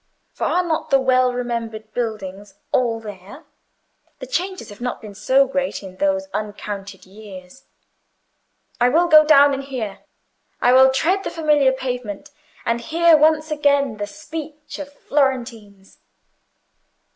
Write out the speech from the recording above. For are not the well remembered buildings all there? The changes have not been so great in those uncounted years. I will go down and hear—I will tread the familiar pavement, and hear once again the speech of Florentines."